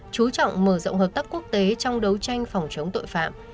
chú trọng mở rộng hợp tác quốc tế trong đấu tranh phòng chống tội phạm